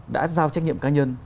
đã giao trách nhiệm cá nhân